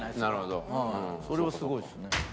それはすごいですね。